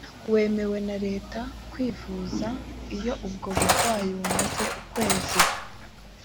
wemewe na leta kwivuza iyo ubwo burwayi bumaze ukwezi